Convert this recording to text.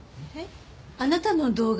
あなたの動画って？